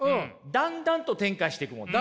だんだんと展開していくもの。